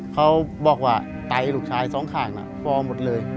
เขาบอกว่าไตลูกชายสองขางผอมหมดเลย